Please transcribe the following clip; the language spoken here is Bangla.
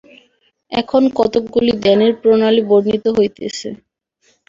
এখন কতকগুলি ধ্যানের প্রণালী বর্ণিত হইতেছে।